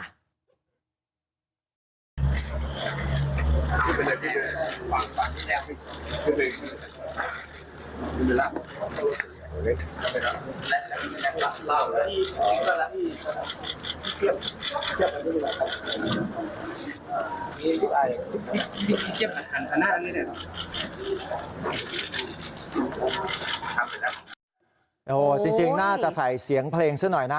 อ่าอืนแด็กเออจริงน่าจะใส่เสียงเพลงซักหน่อยน่ะ